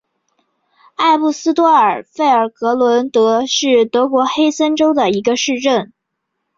埃布斯多尔费尔格伦德是德国黑森州的一个市镇。